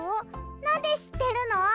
なんでしってるの？